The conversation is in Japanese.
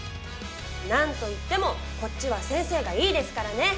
何といってもこっちは先生がいいですからね！